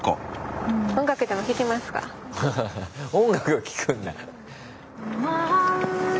ハハハ音楽を聴くんだ。